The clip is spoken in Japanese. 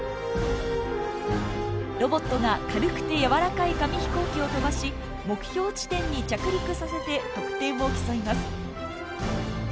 ロボットが軽くて柔らかい紙飛行機を飛ばし目標地点に着陸させて得点を競います。